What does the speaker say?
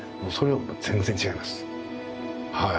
はい。